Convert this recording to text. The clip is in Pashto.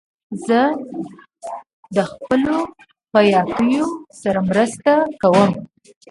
زه د خپلو خیاطیو سره مرسته کوم.